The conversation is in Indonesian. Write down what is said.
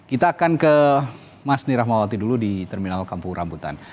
kita akan ke mas nirmawati dulu di terminal kampung rambutan